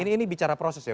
ini bicara proses ya